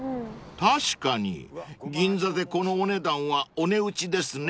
［確かに銀座でこのお値段はお値打ちですね］